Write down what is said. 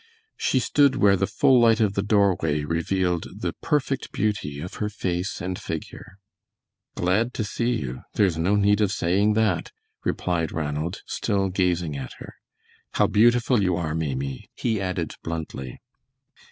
She stood where the full light of the doorway revealed the perfect beauty of her face and figure. "Glad to see you! There is no need of saying that," replied Ranald, still gazing at her. "How beautiful you are, Maimie," he added, bluntly.